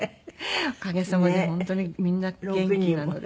おかげさまで本当にみんな元気なので。